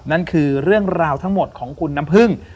นั่นคือเรื่องราวทั้งหมดของคุณน้ำพึ่ง